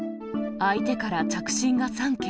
相手から着信が３件。